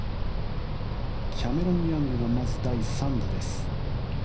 キャメロン・ヤングがまず第３打です。